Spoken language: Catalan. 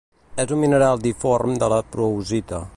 És un mineral dimorf de la proustita.